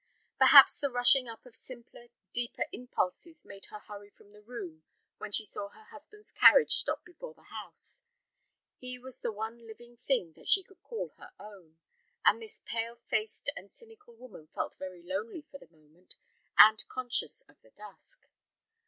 Perhaps the rushing up of simpler, deeper impulses made her hurry from the room when she saw her husband's carriage stop before the house. He was the one living thing that she could call her own, and this pale faced and cynical woman felt very lonely for the moment and conscious of the dusk.